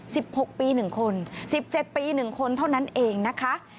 หกปีหนึ่งคนสิบเจ็ดปีหนึ่งคนเท่านั้นเองนะคะ